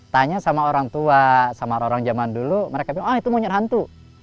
tanya sama orang tua sama orang zaman dulu mereka bilang ah itu monyet hantu